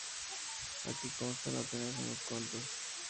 Aquí constan apenas unos cuantos.